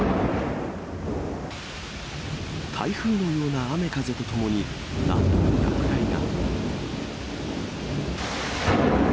台風のような雨、風とともに、何度も落雷が。